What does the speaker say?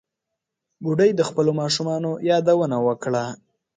بوډۍ د خپلو ماشومانو یادونه وکړه.